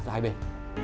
giữa hai bên